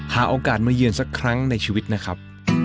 หาโอกาสมาเยือนสักครั้งในชีวิตนะครับ